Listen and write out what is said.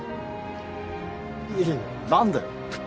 いやいや何だよ。